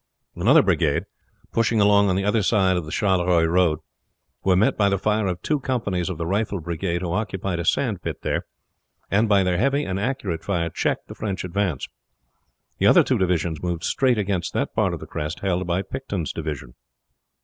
Another brigade, pushing along on the other side of the Charleroi road, were met by the fire of two companies of the rifle brigade who occupied a sandpit there, and by their heavy and accurate fire checked the French advance. The other two divisions moved straight against that part of the crest held by Picton's division.